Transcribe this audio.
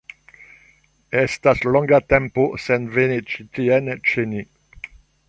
Estas longa tempo sen veni ĉi tien ĉe ni